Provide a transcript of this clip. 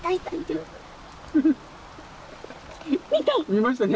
見ましたね。